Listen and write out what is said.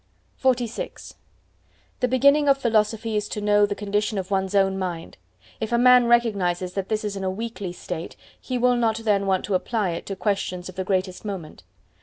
_" XLVI The beginning of philosophy is to know the condition of one's own mind. If a man recognises that this is in a weakly state, he will not then want to apply it to questions of the greatest moment.